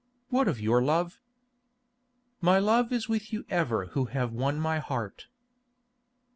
"What of your love?" "My love is with you ever who have won my heart."